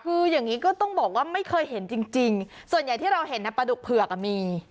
คืออย่างนี้ก็ต้องบอกว่าไม่เคยเห็นจริงส่วนใหญ่ที่เราเห็นนะปลาดุกเผือกมี